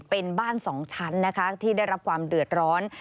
เป็นบ้านสองชั้นนะคะที่ได้รับความเดือดร้อน